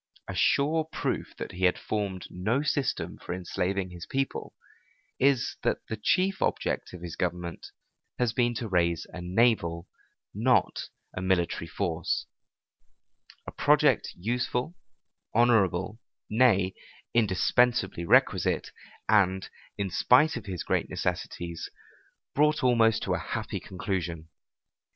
A sure proof that he had formed no system for enslaving his people is, that the chief object of his government has been to raise a naval, not a military force; a project useful, honorable, nay, indispensably requisite, and, in spite of his great necessities, brought almost to a happy conclusion.